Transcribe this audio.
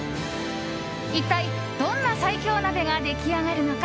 一体どんな最強鍋が出来上がるのか。